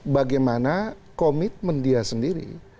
bagaimana komitmen dia sendiri